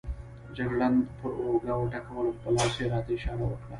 جګړن پر اوږه وټکولم، په لاس یې راته اشاره وکړه.